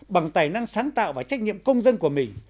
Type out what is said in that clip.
bằng tài năng sáng tạo và trách nhiệm công dân của mình